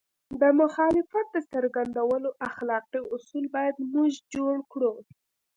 د مخالفت د څرګندولو اخلاقي اصول باید موږ جوړ کړو.